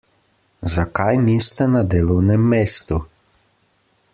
Zakaj niste na delovnem mestu?